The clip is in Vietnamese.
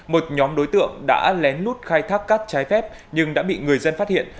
một nhóm đối tượng đã lén lút khai thác cát trái phép nhưng đã bị người dân phát hiện